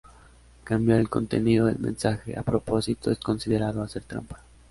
Cambiar el contenido del mensaje a propósito es considerado hacer trampa.